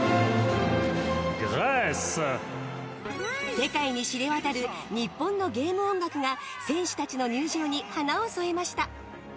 世界に知れ渡る日本のゲーム音楽が選手たちの入場に華を添えました。